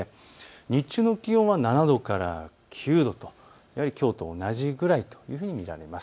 日中の気温は７度から９度、やはりきょうと同じくらいというふうに見られます。